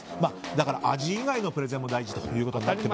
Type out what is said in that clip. だから味以外のプレゼンも大事だと。